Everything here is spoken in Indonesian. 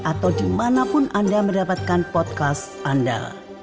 atau dimanapun anda mendapatkan podcast anda